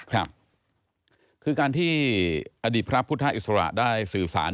ครับคือการที่อดีตพระพุทธอิสระได้สื่อสาร